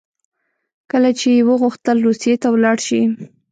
کله چې یې وغوښتل روسیې ته ولاړ شي.